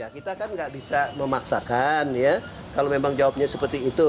kita kan nggak bisa memaksakan ya kalau memang jawabnya seperti itu